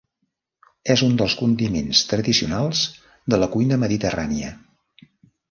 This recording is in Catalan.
És un dels condiments tradicionals de la cuina mediterrània.